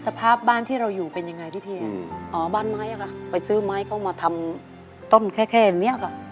สภาพบ้านที่เราอยู่เป็นยังไงพี่เพียอ๋อบ้านไม้อะค่ะไปซื้อไม้เข้ามาทำต้นแค่แค่เนี้ยค่ะ